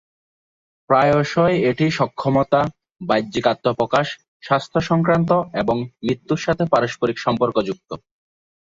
প্রায়শঃই এটি সক্ষমতা, বাহ্যিক আত্মপ্রকাশ, স্বাস্থ্য সংক্রান্ত এবং মৃত্যুর সাথে পারস্পরিক সম্পর্কযুক্ত।